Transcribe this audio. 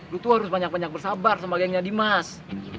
lo tuh harus banyak banyak bersabar sama gengnya dimas